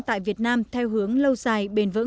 tại việt nam theo hướng lâu dài